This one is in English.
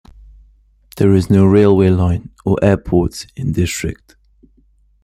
There is no railway line or airport in district.